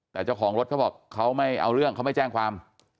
แต่เจ้าของรถเขาบอกเขาไม่เอาเรื่องเขาไม่แจ้งความ